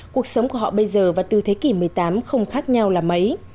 cuộc sống của họ bây giờ và từ thế kỷ một mươi tám không khác nhau là mấy